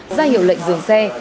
ra hiệu lệnh dường xe